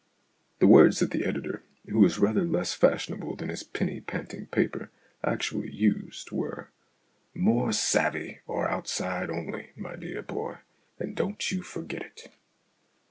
The words that the Editor who was rather less fashionable than his penny panting paper actually used were, " More savvy, or outside only, my dear boy, and don't you forget it."